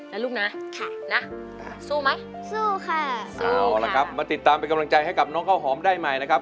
เอาละครับมาติดตามไปกำลังใจให้กับน้องเข้าหอมได้ใหม่นะครับ